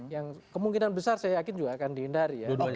yang kemungkinan besar saya yakin juga akan dihindari ya